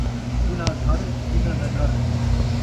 کلھا گھر ، جنّاں دا ݙر